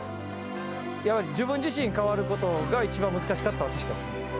やっぱり自分自身変わることが、一番難しかったのは確かですね。